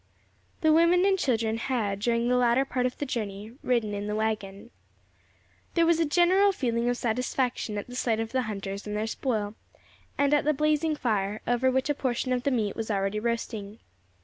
The women and children had, during the latter part of the journey, ridden in the waggons. There was a general feeling of satisfaction at the sight of the hunters and their spoil, and at the blazing fire, over which a portion of the meat was already roasting.